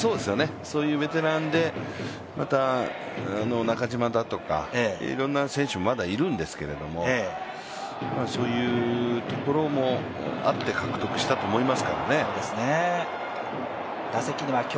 そういうベテランで、中島だとか、いろんな選手がまだいるんですけども、そういうところもあって獲得したと思いますからね。